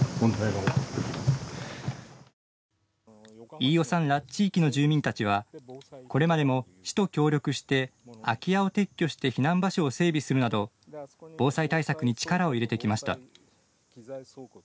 飯尾さんら地域の住民たちはこれまでも市と協力して空き家を撤去して避難場所を整備するなど防災対策に力を入れてきました。